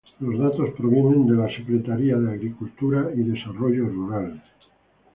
Los datos provienen de la "Secretaría de Agricultura y Desarrollo Rural".